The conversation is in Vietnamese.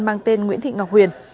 mang tên nguyễn thị ngọc huyền